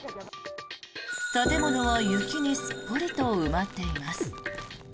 建物は雪にすっぽりと埋まっています。